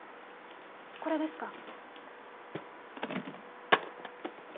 これですか？